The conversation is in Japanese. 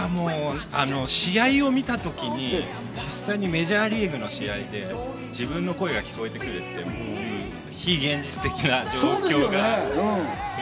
試合を見たときに実際にメジャーリーグの試合って自分の声が聞こえてくるって、非現実的な感じですよね。